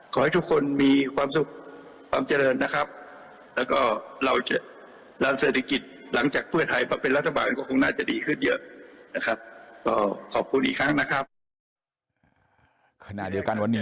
ขอให้ทุกคนมีความสุขความเจริญนะครับแล้วก็เราจะล้านเศรษฐกิจหลังจากเพื่อไทยมาเป็นรัฐบาลก็คงน่าจะดีขึ้นเยอะนะครับ